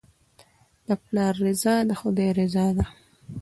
د پلار رضا د خدای رضا ده.